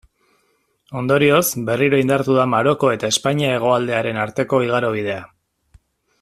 Ondorioz, berriro indartu da Maroko eta Espainia hegoaldearen arteko igarobidea.